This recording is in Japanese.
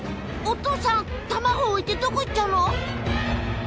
お父さん卵を置いてどこ行っちゃうの？